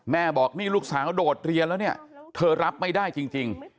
บอกนี่ลูกสาวโดดเรียนแล้วเนี่ยเธอรับไม่ได้จริง